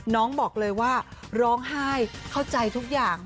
น้องบอกเลยว่าร้องไห้เข้าใจทุกอย่าง